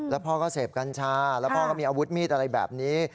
แล้วพ่อก็เสพกัญชาแล้วพ่อก็มีอาวุธมีดอะไรแบบนี้